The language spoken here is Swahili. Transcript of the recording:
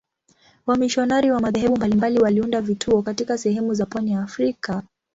Wamisionari wa madhehebu mbalimbali waliunda vituo katika sehemu za pwani ya Afrika.